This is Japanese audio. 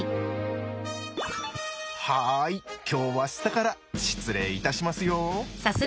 はい今日は下から失礼いたしますよ。